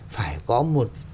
phải có một